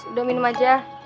udah minum aja